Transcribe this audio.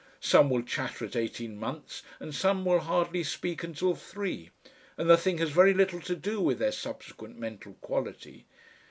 Some will chatter at eighteen months and some will hardly speak until three, and the thing has very little to do with their subsequent mental quality.